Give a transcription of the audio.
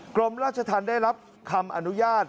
กรมราชธรรมได้รับคำอนุญาต